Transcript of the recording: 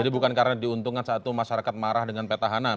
jadi bukan karena diuntungkan saat itu masyarakat marah dengan peta hana